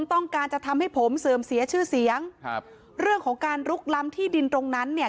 ต้องการจะทำให้ผมเสื่อมเสียชื่อเสียงครับเรื่องของการลุกล้ำที่ดินตรงนั้นเนี่ย